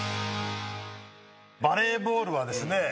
バレーボールはですね